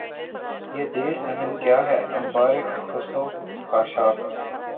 یہ دیر کہن کیا ہے انبار خس و خاشاک